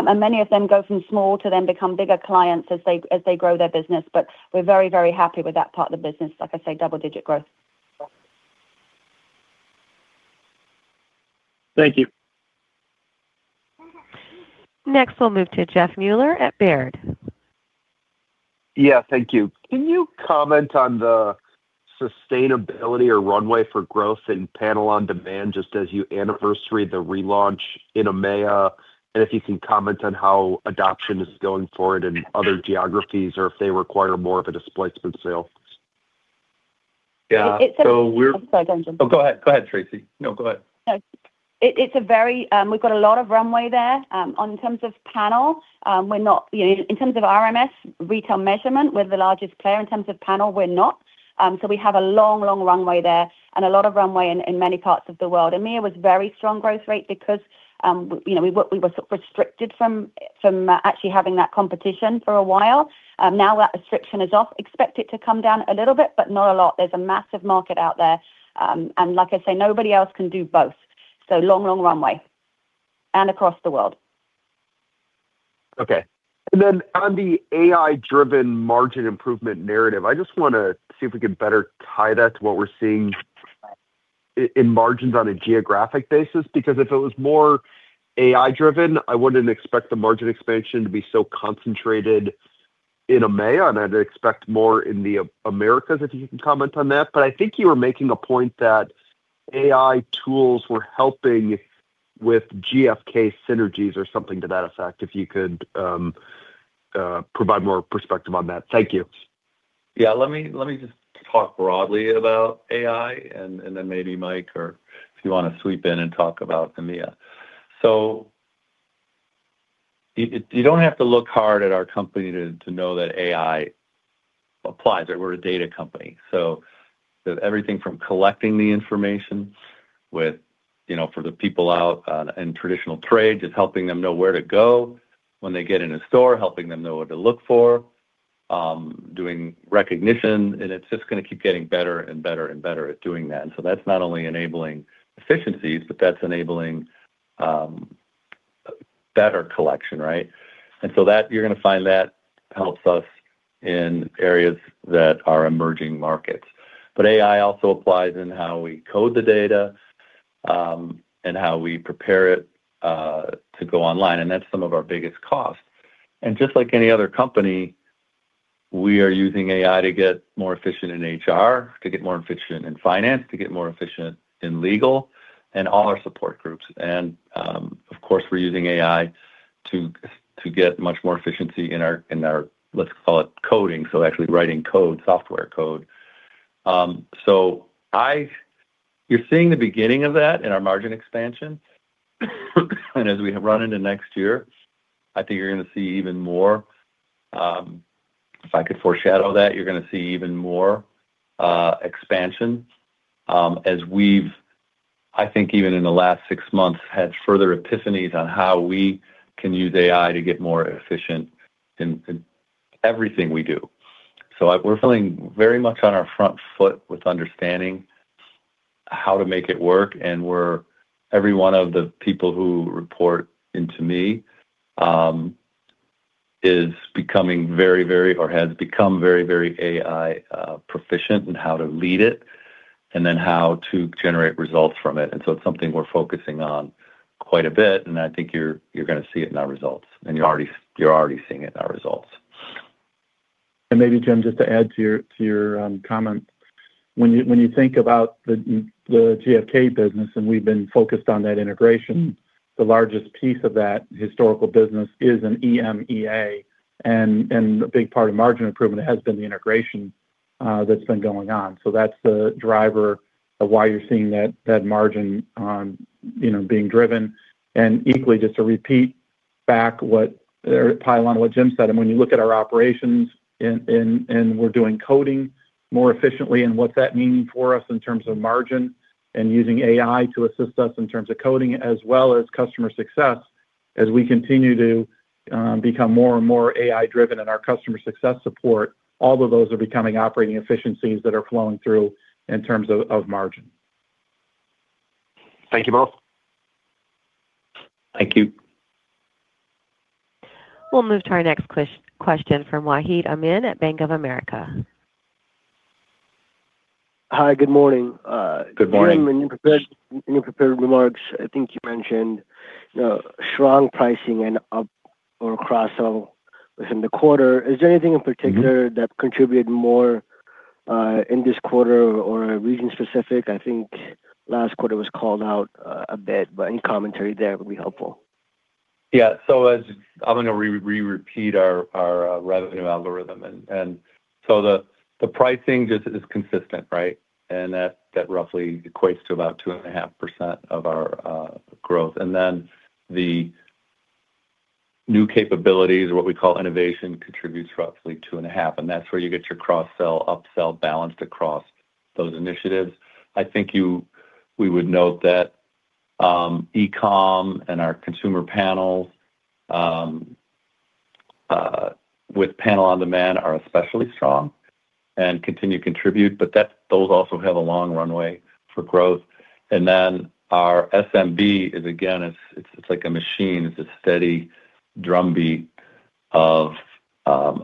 Many of them go from small to then become bigger clients as they grow their business. We are very, very happy with that part of the business. Like I say, double-digit growth. Thank you. Next, we will move to Zach Mueller at Baird. Thank you. Can you comment on the sustainability or runway for growth in panel on demand just as you anniversary the relaunch in EMEA? If you can comment on how adoption is going for it in other geographies or if they require more of a displacement sale. We are— Sorry. Go ahead. Go ahead, Tracey. No, go ahead. We have got a lot of runway there. In terms of panel, we are not—in terms of RMS retail measurement, we are the largest player in terms of panel. We are not. We have a long, long runway there and a lot of runway in many parts of the world. EMEA was a very strong growth rate because we were restricted from actually having that competition for a while. Now that restriction is off. Expect it to come down a little bit, but not a lot. There is a massive market out there. Like I say, nobody else can do both. Long, long runway and across the world. Okay. On the AI-driven margin improvement narrative, I just want to see if we can better tie that to what we are seeing in margins on a geographic basis. Because if it was more AI-driven, I would not expect the margin expansion to be so concentrated in EMEA. I would expect more in the Americas, if you can comment on that. I think you were making a point that AI tools were helping with GfK synergies or something to that effect, if you could provide more perspective on that. Thank you. Yeah. Let me just talk broadly about AI and then maybe Mike, or if you want to sweep in and talk about EMEA. You do not have to look hard at our company to know that AI applies. We are a data company. Everything from collecting the information for the people out in traditional trade, just helping them know where to go when they get in a store, helping them know what to look for, doing recognition. It is just going to keep getting better and better and better at doing that. That is not only enabling efficiencies, but that is enabling better collection, right? You're going to find that helps us in areas that are emerging markets. AI also applies in how we code the data and how we prepare it to go online. That's some of our biggest costs. Just like any other company, we are using AI to get more efficient in HR, to get more efficient in finance, to get more efficient in legal, and all our support groups. Of course, we're using AI to get much more efficiency in our, let's call it, coding. Actually writing code, software code. You're seeing the beginning of that in our margin expansion. As we run into next year, I think you're going to see even more. If I could foreshadow that, you're going to see even more expansion as we've, I think, even in the last six months, had further epiphanies on how we can use AI to get more efficient in everything we do. We're feeling very much on our front foot with understanding how to make it work. Every one of the people who report into me is becoming very, very, or has become very, very AI proficient in how to lead it and then how to generate results from it. It's something we're focusing on quite a bit. I think you're going to see it in our results. You're already seeing it in our results. Maybe, Jim, just to add to your comment, when you think about the GfK business, and we've been focused on that integration, the largest piece of that historical business is in EMEA. A big part of margin improvement has been the integration that's been going on. That is the driver of why you're seeing that margin being driven. Equally, just to repeat back, pilot on what Jim said, when you look at our operations and we're doing coding more efficiently, what's that meaning for us in terms of margin and using AI to assist us in terms of coding, as well as customer success, as we continue to become more and more AI-driven in our customer success support, all of those are becoming operating efficiencies that are flowing through in terms of margin. Thank you both. Thank you. We'll move to our next question from Wahid Amin at Bank of America. Hi. Good morning. Good morning. In your prepared remarks, I think you mentioned strong pricing and up or across within the quarter. Is there anything in particular that contributed more in this quarter or region-specific? I think last quarter was called out a bit, but any commentary there would be helpful. Yeah. I'm going to re-repeat our revenue algorithm. The pricing just is consistent, right? That roughly equates to about 2.5% of our growth. The new capabilities, or what we call innovation, contributes roughly 2.5%. That's where you get your cross-sell, up-sell balanced across those initiatives. I think we would note that e-com and our consumer panels with panel on demand are especially strong and continue to contribute. Those also have a long runway for growth. Our SMB is, again, it's like a machine. It's a steady drumbeat of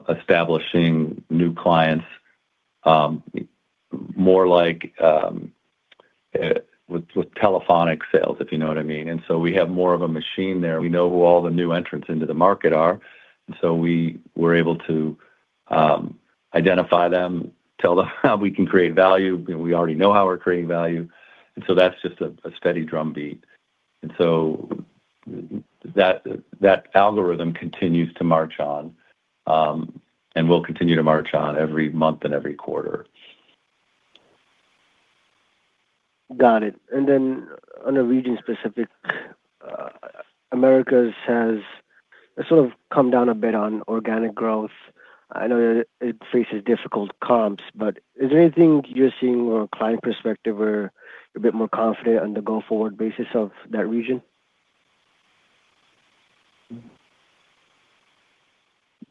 establishing new clients, more like with telephonic sales, if you know what I mean. We have more of a machine there. We know who all the new entrants into the market are. We're able to identify them, tell them how we can create value. We already know how we're creating value. That's just a steady drumbeat. That algorithm continues to march on and will continue to march on every month and every quarter. Got it. On a region-specific, America has sort of come down a bit on organic growth. I know it faces difficult comps, but is there anything you're seeing from a client perspective where you're a bit more confident on the go-forward basis of that region?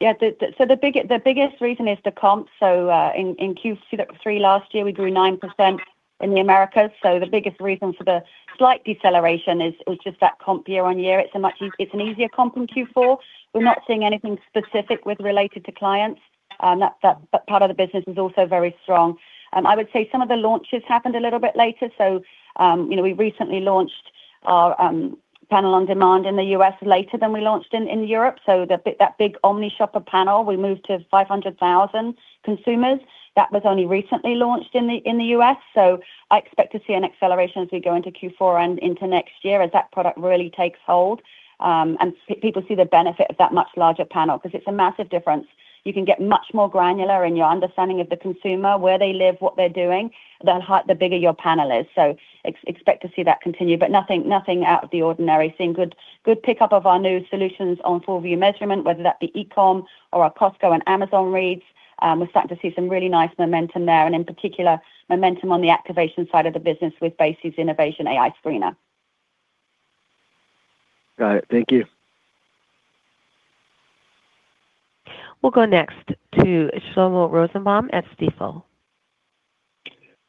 Yeah. The biggest reason is the comps. In Q3 last year, we grew 9% in the Americas. The biggest reason for the slight deceleration is just that comp year-on-year. It's an easier comp in Q4. We're not seeing anything specific related to clients. That part of the business is also very strong. I would say some of the launches happened a little bit later. We recently launched our panel on demand in the U.S. later than we launched in Europe. That big omni-shopper panel, we moved to 500,000 consumers. That was only recently launched in the U.S. I expect to see an acceleration as we go into Q4 and into next year as that product really takes hold and people see the benefit of that much larger panel because it's a massive difference. You can get much more granular in your understanding of the consumer, where they live, what they're doing, the bigger your panel is. Expect to see that continue. Nothing out of the ordinary. Seeing good pickup of our new solutions on full-view measurement, whether that be e-com or our Costco and Amazon reads. We're starting to see some really nice momentum there. In particular, momentum on the activation side of the business with Basies AI Screener. Got it. Thank you. We'll go next to Shlomo Rosenbaum at Stifel.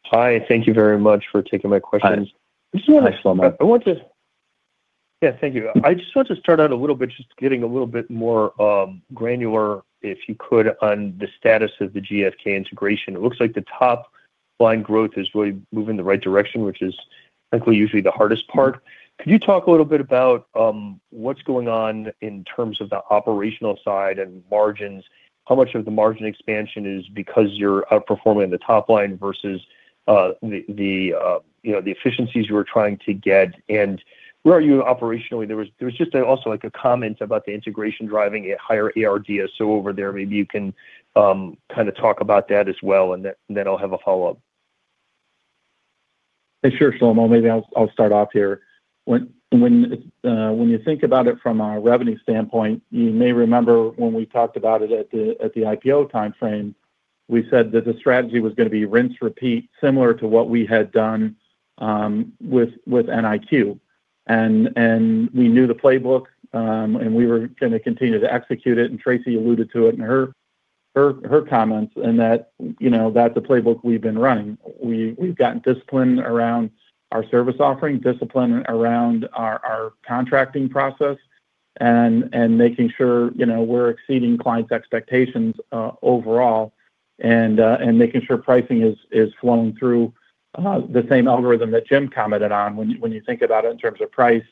Hi. Thank you very much for taking my questions. Hi. I want to—yeah, thank you. I just want to start out a little bit just getting a little bit more granular, if you could, on the status of the GfK integration. It looks like the top-line growth is really moving in the right direction, which is, I think, usually the hardest part. Could you talk a little bit about what's going on in terms of the operational side and margins? How much of the margin expansion is because you're outperforming the top line versus the efficiencies you were trying to get? Where are you operationally? There was just also a comment about the integration driving higher ARDSO over there. Maybe you can kind of talk about that as well, and then I'll have a follow-up. Sure, Shlomo. Maybe I'll start off here. When you think about it from a revenue standpoint, you may remember when we talked about it at the IPO timeframe, we said that the strategy was going to be rinse-repeat, similar to what we had done with NIQ. We knew the playbook, and we were going to continue to execute it. Tracy alluded to it in her comments in that that's a playbook we've been running. We've gotten discipline around our service offering, discipline around our contracting process, and making sure we're exceeding clients' expectations overall, and making sure pricing is flowing through the same algorithm that Jim commented on. When you think about it in terms of price,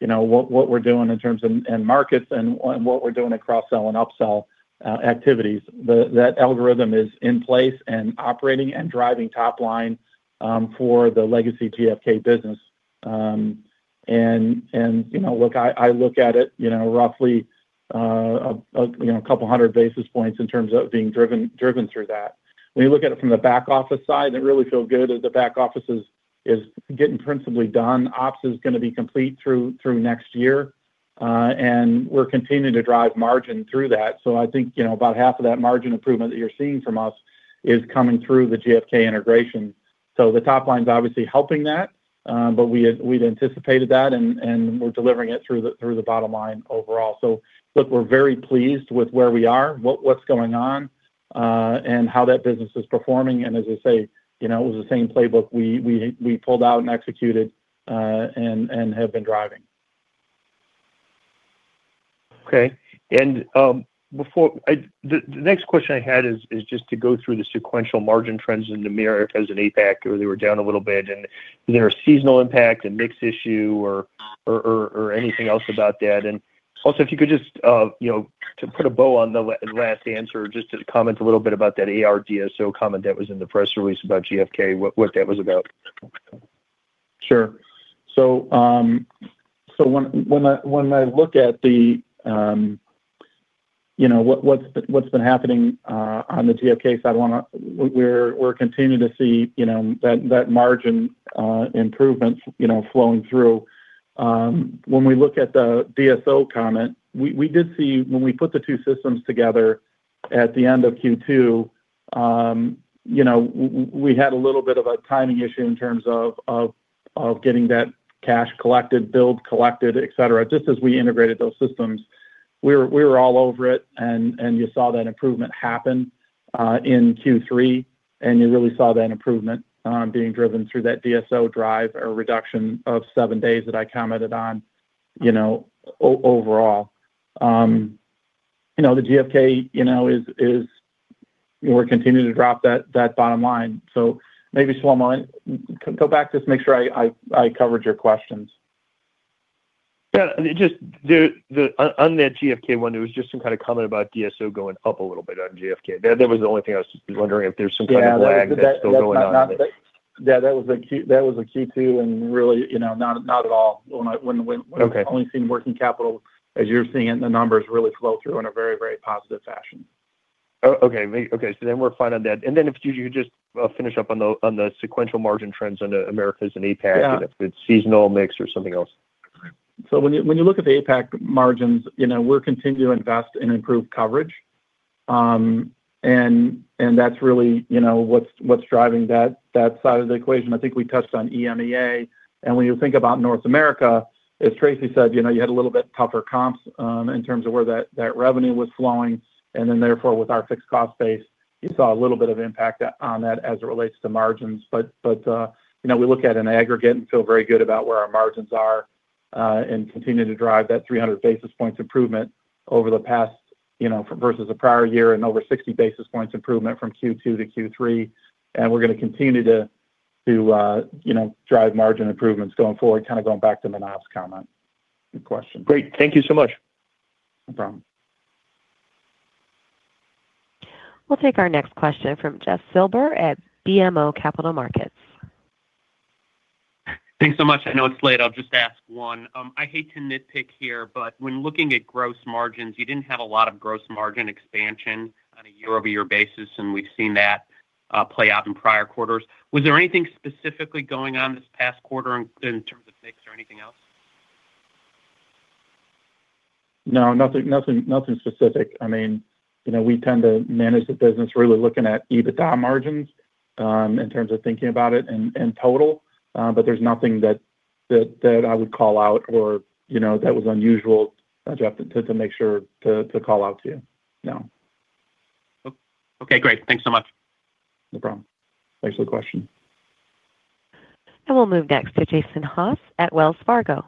what we're doing in terms of markets and what we're doing across sell and up-sell activities, that algorithm is in place and operating and driving top line for the legacy GfK business. I look at it roughly a couple hundred basis points in terms of being driven through that. When you look at it from the back office side, it really feels good as the back office is getting principally done. Ops is going to be complete through next year, and we're continuing to drive margin through that. I think about half of that margin improvement that you're seeing from us is coming through the GfK integration. The top line's obviously helping that, but we'd anticipated that, and we're delivering it through the bottom line overall. Look, we're very pleased with where we are, what's going on, and how that business is performing. As I say, it was the same playbook we pulled out and executed and have been driving. Okay. The next question I had is just to go through the sequential margin trends in EMEA as in APAC, where they were down a little bit. Is there a seasonal impact and mix issue or anything else about that? If you could just put a bow on the last answer, just to comment a little bit about that ARDSO comment that was in the press release about GfK, what that was about. Sure. When I look at what's been happening on the GfK side, we're continuing to see that margin improvement flowing through. When we look at the DSO comment, we did see when we put the two systems together at the end of Q2, we had a little bit of a timing issue in terms of getting that cash collected, billed collected, etc. Just as we integrated those systems, we were all over it. You saw that improvement happen in Q3, and you really saw that improvement being driven through that DSO drive or reduction of seven days that I commented on overall. The GfK, we're continuing to drop that bottom line. Maybe, Shlomo, go back just to make sure I covered your questions. Yeah. Just on that GfK one, it was just some kind of comment about DSO going up a little bit on GfK. That was the only thing I was wondering if there's some kind of lag that's still going on there. Yeah. That was a Q2 and really not at all. When we've only seen working capital, as you're seeing it, the numbers really flow through in a very, very positive fashion. Okay. Okay. So then we're fine on that. If you could just finish up on the sequential margin trends on Americas and APAC, if it's seasonal mix or something else. When you look at the APAC margins, we're continuing to invest and improve coverage. That's really what's driving that side of the equation. I think we touched on EMEA. When you think about North America, as Tracey said, you had a little bit tougher comps in terms of where that revenue was flowing. Therefore, with our fixed cost base, you saw a little bit of impact on that as it relates to margins. We look at it in aggregate and feel very good about where our margins are and continue to drive that 300 basis points improvement over the past versus a prior year and over 60 basis points improvement from Q2 to Q3. We are going to continue to drive margin improvements going forward, kind of going back to Manav's comment and question. Great. Thank you so much. No problem. We'll take our next question from Jeff Silber at BMO Capital Markets. Thanks so much. I know it's late. I'll just ask one. I hate to nitpick here, but when looking at gross margins, you did not have a lot of gross margin expansion on a year-over-year basis, and we have seen that play out in prior quarters. Was there anything specifically going on this past quarter in terms of mix or anything else? No. Nothing specific. I mean, we tend to manage the business really looking at EBITDA margins in terms of thinking about it in total. There is nothing that I would call out or that was unusual to make sure to call out to you. No. Okay. Great. Thanks so much. No problem. Thanks for the question. We will move next to Jason Haas at Wells Fargo.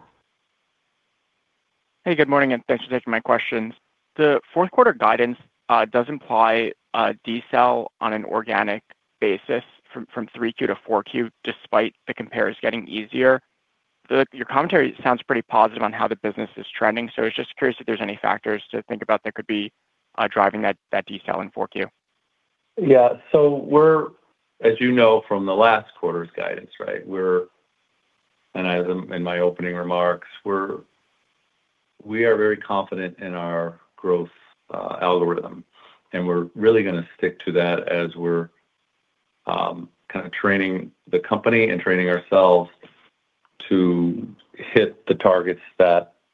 Hey, good morning, and thanks for taking my questions. The fourth-quarter guidance does imply a desal on an organic basis from 3Q to 4Q despite the compares getting easier. Your commentary sounds pretty positive on how the business is trending. I was just curious if there's any factors to think about that could be driving that desal in 4Q. Yeah. As you know from the last quarter's guidance, right, and I have them in my opening remarks, we are very confident in our growth algorithm. We're really going to stick to that as we're kind of training the company and training ourselves to hit the targets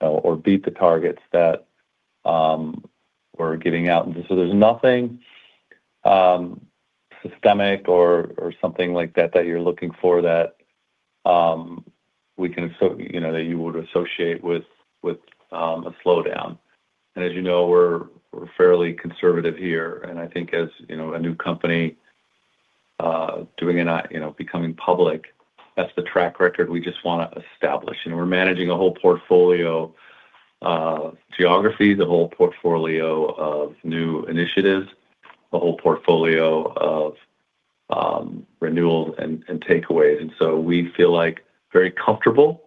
or beat the targets that we're giving out. There's nothing systemic or something like that that you're looking for that we can, that you would associate with a slowdown. As you know, we're fairly conservative here. I think as a new company doing it, becoming public, that's the track record we just want to establish. We're managing a whole portfolio of geographies, a whole portfolio of new initiatives, a whole portfolio of renewals and takeaways. We feel very comfortable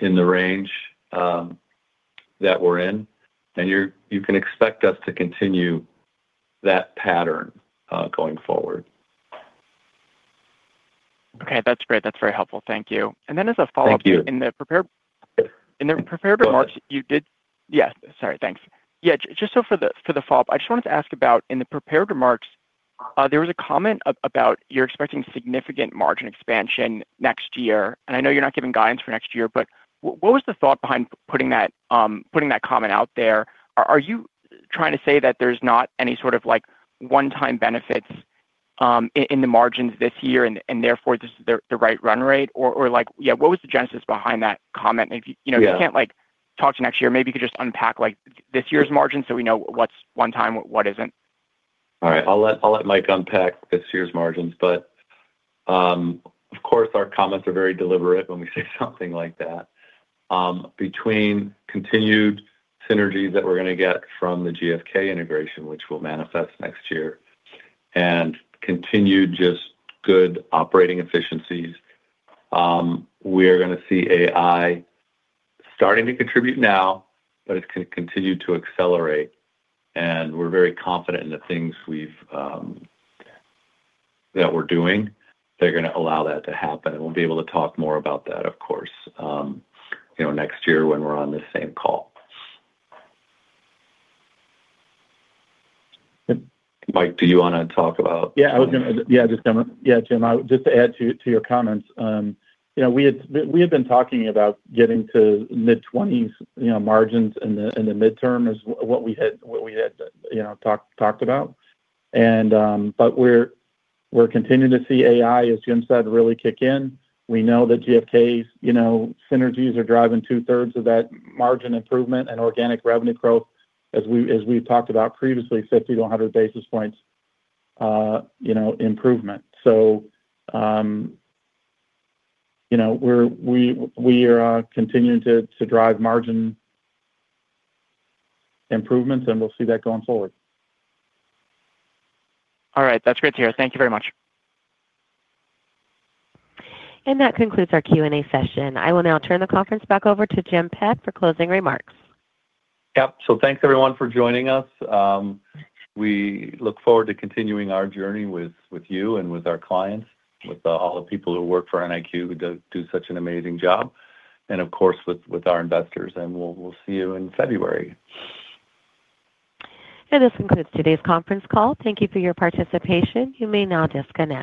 in the range that we're in. You can expect us to continue that pattern going forward. Okay. That's great. That's very helpful. Thank you. As a follow-up, thank you. In the prepared remarks, you did—yeah, sorry, thanks. Yeah, just for the follow-up, I just wanted to ask about in the prepared remarks, there was a comment about you're expecting significant margin expansion next year. I know you're not giving guidance for next year, but what was the thought behind putting that comment out there? Are you trying to say that there's not any sort of one-time benefits in the margins this year and therefore this is the right run rate? Yeah, what was the genesis behind that comment? If you can't talk to next year, maybe you could just unpack this year's margins so we know what's one-time, what isn't. All right. I'll let Mike unpack this year's margins. Of course, our comments are very deliberate when we say something like that. Between continued synergies that we're going to get from the GfK integration, which will manifest next year, and continued just good operating efficiencies, we are going to see AI starting to contribute now, but it's going to continue to accelerate. We are very confident in the things that we're doing. They're going to allow that to happen. We'll be able to talk more about that, of course, next year when we're on this same call. Mike, do you want to talk about— Yeah, I was going to—yeah, Jim. Just to add to your comments, we had been talking about getting to mid-20s margins in the midterm is what we had talked about. We are continuing to see AI, as Jim said, really kick in. We know that GfK's synergies are driving two-thirds of that margin improvement and organic revenue growth, as we've talked about previously, 50 to 100 basis points improvement. We are continuing to drive margin improvements, and we'll see that going forward. All right. That's great to hear. Thank you very much. That concludes our Q&A session. I will now turn the conference back over to Jim Peck for closing remarks. Yep. Thanks, everyone, for joining us. We look forward to continuing our journey with you and with our clients, with all the people who work for NIQ who do such an amazing job, and of course, with our investors. We will see you in February. This concludes today's conference call. Thank you for your participation. You may now disconnect.